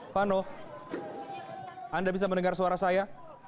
vano anda bisa mendengar suara saya